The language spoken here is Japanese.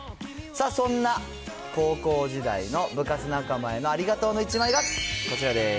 さあ、そんな高校時代の部活仲間へのありがとうの１枚がこちらです。